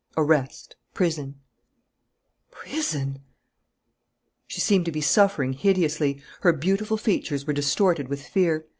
"Arrest prison " "Prison!" She seemed to be suffering hideously. Her beautiful features were distorted with fear.